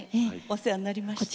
お世話になりました。